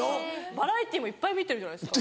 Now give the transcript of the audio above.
バラエティーもいっぱい見てるじゃないですか。